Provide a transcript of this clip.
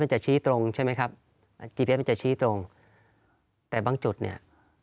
มันจะชี้ตรงใช่ไหมครับจะชี้ตรงแต่บางจุดเนี้ย